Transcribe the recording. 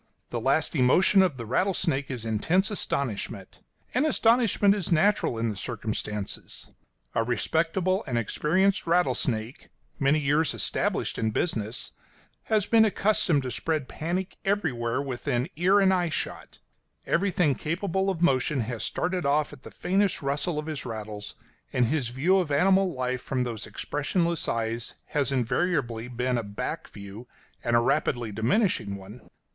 The last emotion of the rattlesnake is intense astonishment; and astonishment is natural, in the circumstances. A respectable and experienced rattlesnake, many years established in business, has been accustomed to spread panic everywhere within ear and eye shot; everything capable of motion has started off at the faintest rustle of his rattles, and his view of animal life from those expressionless eyes has invariably been a back view, and a rapidly diminishing one.